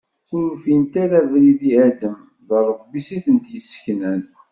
Ur ufint ara abrid i Adem d Ṛebbi-s i tent-yesseknan.